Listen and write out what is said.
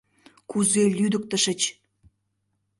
Кузе лӱдыктышыч!